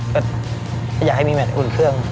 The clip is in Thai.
ก็อยากให้มีแมทอุ่นเครื่อง